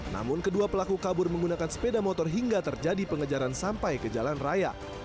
namun kedua pelaku kabur menggunakan sepeda motor hingga terjadi pengejaran sampai ke jalan raya